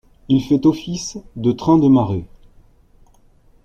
Il fait office de train de marée.